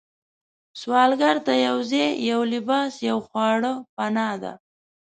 سوالګر ته یو ځای، یو لباس، یو خواړه پناه ده